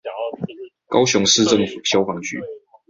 高雄市政府消防局